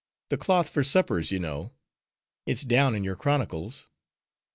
The cloth for suppers, you know. It's down in your chronicles."